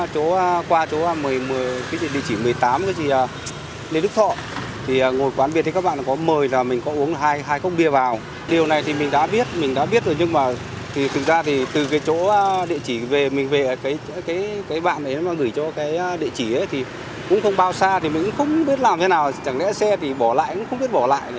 từ chỗ địa chỉ mình về mình về cái bạn ấy mà gửi cho cái địa chỉ đấy thì cũng không bao xa thì cũng không biết làm thế nào chẳng lẽ xe thì bỏ lại cũng không biết bỏ lại